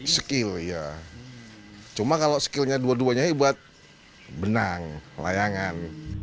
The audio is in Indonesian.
skill ya cuma kalau skillnya dua duanya hebat benang layangan